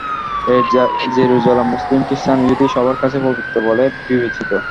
এই জেরুজালেম মুসলিম, খ্রিষ্টান ও ইহুদি সবার কাছেই পবিত্র বলে বিবেচিত।